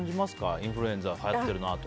インフルエンザはやっているなとか。